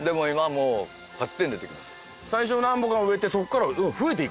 最初何本か植えてそこから増えていくんですか？